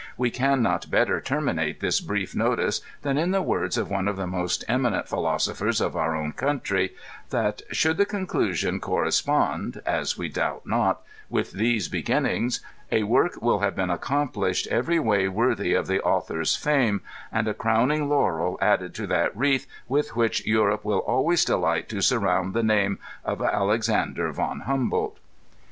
We can not better terminate this brief notice than in the words of one of the most eminent pl^los ophers of our own country, that, *^ should the conclusion cor respond (as we doubt not) with these beginnings, a work will have been accomphshed every way worthy of the author's fame, and a crowning laurel added to that wreath with which Europe will alwa3rs dehght to surround the name of Alexan der von Humboldt."